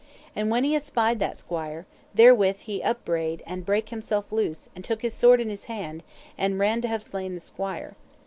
And when he espied that squire, therewith he abraid and brake himself loose, and took his sword in his hand, and ran to have slain the squire.